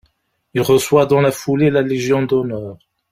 Il reçoit dans la foulée la légion d’honneur.